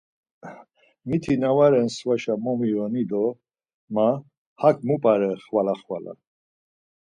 Miti na va ren svaşa momiyoni do ma hak mu p̌are xvala xvala?